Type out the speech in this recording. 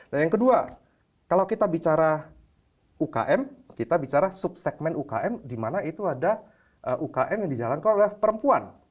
dan yang kedua kalau kita bicara ukm kita bicara subsegmen ukm di mana itu ada ukm yang dijalankan oleh perempuan